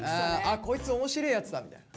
「あこいつ面白えやつだ」みたいな。